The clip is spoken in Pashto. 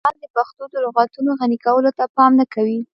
لیکوالان د پښتو د لغتونو غني کولو ته پام نه کوي.